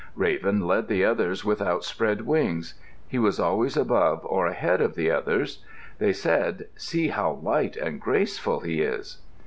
Raven led the others with outspread wings. He was always above or ahead of the others. They said, "See how light and graceful he is!"